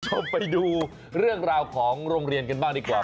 คุณผู้ชมไปดูเรื่องราวของโรงเรียนกันบ้างดีกว่า